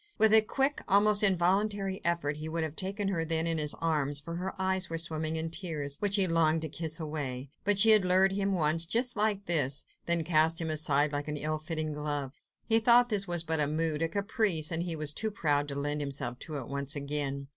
With a quick, almost involuntary effort he would have taken her then in his arms, for her eyes were swimming in tears, which he longed to kiss away; but she had lured him once, just like this, then cast him aside like an ill fitting glove. He thought this was but a mood, a caprice, and he was too proud to lend himself to it once again.